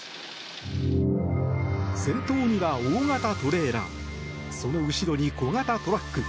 先頭には大型トレーラーその後ろに小型トラック